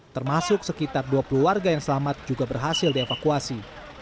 termasuk sekitar dua puluh warga yang selamat juga berhasil dievakuasi